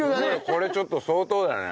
これちょっと相当だね。